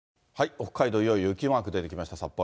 北海道、いよいよ雪マーク出てきました、札幌。